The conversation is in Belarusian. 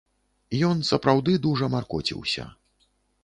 Ён сапраўды дужа маркоціўся.